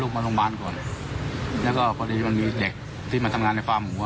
มาโรงพยาบาลก่อนแล้วก็พอดีมันมีเด็กที่มาทำงานในฟาร์มหัว